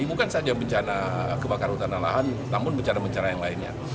ini bukan saja bencana kebakaran lahan namun bencana bencana yang lainnya